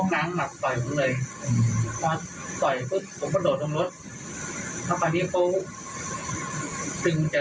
ผมก็เลยยิงเลยผมไม่รู้ว่าจะยิงใครไปบ้างตอนนั้น